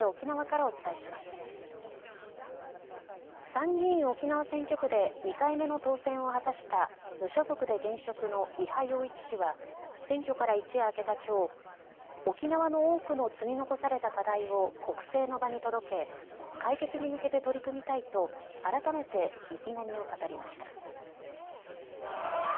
参議院沖縄選挙区で２回目の当選を果たした無所属で現職の伊波洋一氏は選挙から一夜明けたきょう沖縄の多くの積み残された課題を国政の場に届け解決に向けて取り組みたいと改めて意気込みを語りました。